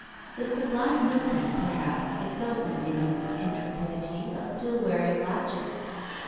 The sublime Milton, perhaps, exulted in his intrepidity of still wearing latchets!